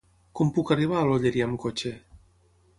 Com puc arribar a l'Olleria amb cotxe?